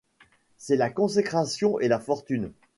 C'est la consécration et la fortune.